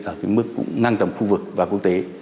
ở mức ngăn tầm khu vực và quốc tế